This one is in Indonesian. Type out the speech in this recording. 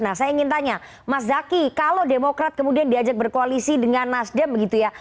nah saya ingin tanya mas zaky kalau demokrat kemudian diajak berkoalisi dengan nasdem begitu ya